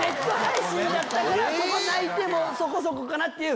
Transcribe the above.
⁉泣いてもそこそこかなっていう。